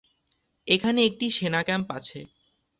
এখানে একটি সেনা ক্যাম্প আছে।